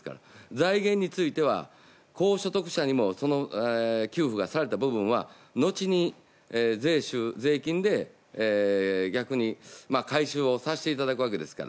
財源については高所得者にも給付がされた部分は後に税収、税金で逆に回収をさせていただくわけですから。